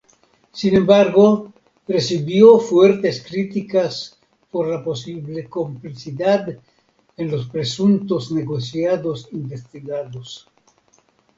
Sin embargo, recibió fuertes críticas por la posible complicidad en los presuntos negociados investigados.